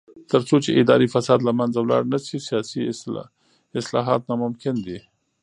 تر څو چې اداري فساد له منځه لاړ نشي، سیاسي اصلاحات ناممکن دي.